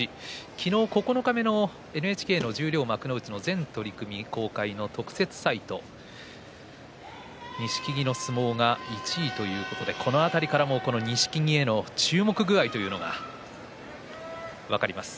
昨日、九日目のＮＨＫの十両、幕内の全取組を公開の特設サイト錦木の相撲が１位ということでこの辺りからも錦木への注目の具合というのが分かります。